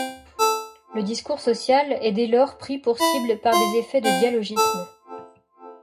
Le discours social est dès lors pris pour cible par des effets de dialogisme.